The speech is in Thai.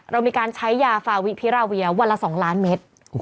เรามีการใช้ยาฟาวิพิราเวียวันละ๒ล้านเมตร